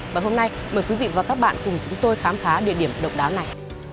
và hôm nay mời quý vị và các bạn cùng chúng tôi khám phá địa điểm độc đáo này